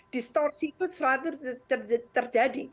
distorsi itu selalu terjadi